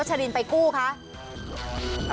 สวัสดีครับ